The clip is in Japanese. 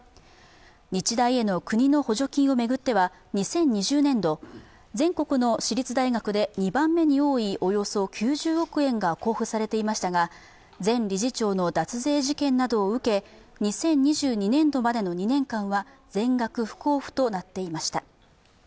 日大への国の補助金を巡っては、２０２０年度全国の私立大学で２番目に多いおよそ９０億円が交付されていましたが、前理事長の脱税事件などを受け２０２２年度までの２年間は全額不交付となっていました。